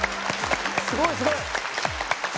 すごいすごい！